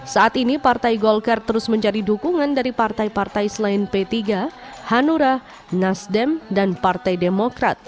saat ini partai golkar terus mencari dukungan dari partai partai selain p tiga hanura nasdem dan partai demokrat